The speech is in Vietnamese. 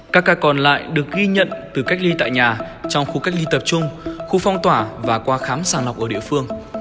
các ca còn lại được ghi nhận từ cách ly tại nhà trong khu cách ly tập trung khu phong tỏa và qua khám sàng lọc ở địa phương